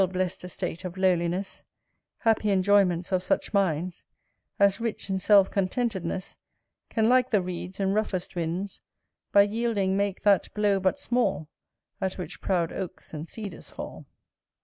blest estate of lowliness; Happy enjoyments of such minds As, rich in self contentedness, Can, like the reeds, in roughest winds, By yielding make that blow but small At which proud oaks and cedars fall.